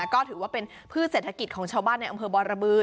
ก็ถือว่าเป็นพืชเศรษฐกิจของชาวบ้านในอำเภอบรบือ